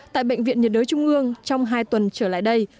tại bệnh viện nhiệt đới trung ương trong hai tuần trở lại đây